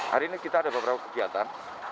hari ini kita ada beberapa kegiatan